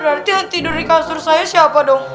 berarti tidur di kasur saya siapa dong